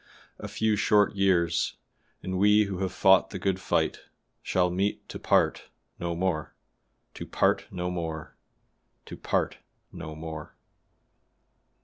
A few short years and we who have fought the good fight shall meet to part no more to part no more to part no more!"